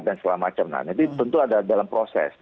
dan segala macam nah itu tentu ada dalam proses